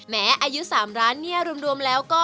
อายุ๓ร้านเนี่ยรวมแล้วก็